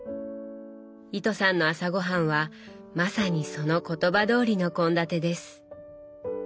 糸さんの朝ごはんはまさにその言葉どおりの献立です。